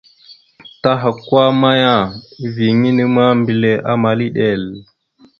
Tahakwa maya, eviyeŋa inne ma, mbile amal iɗel.